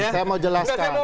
saya mau jelaskan